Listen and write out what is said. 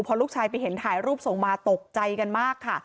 พอลูกชายไปเห็นถ่ายรูปส่งมาตกใจกันมากค่ะ